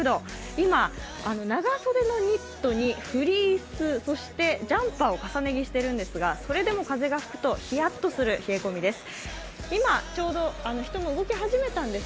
今、長袖のニットにフリース、そしてジャンパーを重ね着しているんですが、それでも風が吹くと、ひやっとする冷え込みです。